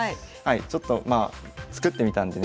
ちょっとまあ作ってみたんでね。